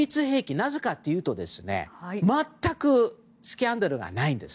なぜかというと、全くスキャンダルがないんです。